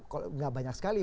kalau tidak banyak sekali